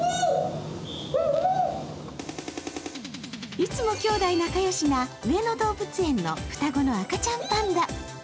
いつもきょうだい仲よしな上野動物園の双子の赤ちゃんパンダ。